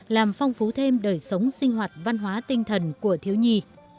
làm phong phú thêm đời sống sinh hoạt văn hóa tinh thần của thiếu nhi